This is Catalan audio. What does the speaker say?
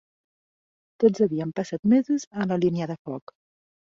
Tots havíem passat mesos a la línia de foc